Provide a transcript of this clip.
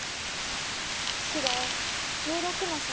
白１６の三。